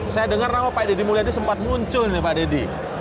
saya dengar nama pak deddy mulia ini sempat muncul pak deddy